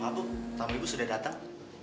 mau apa tamu ibu sudah datang